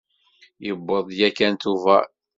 Yewweḍ-d yakan Tubeṛ.